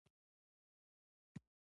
وهم او وېره کې وو.